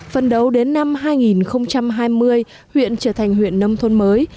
phần đầu đến năm hai nghìn hai mươi huyện trở thành huyện nông thôn mới